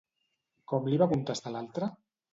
Com li va contestar l'altre?